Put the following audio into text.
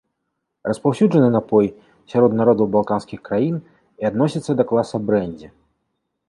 Распаўсюджаны напой сярод народаў балканскіх краін і адносіцца да класа брэндзі.